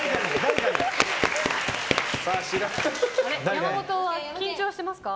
山本、緊張してますか？